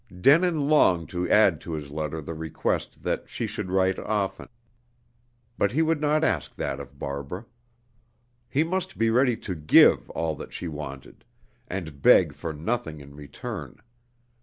Denin longed to add to his letter the request that she would write often; but he would not ask that of Barbara. He must be ready to give all that she wanted, and beg for nothing in return.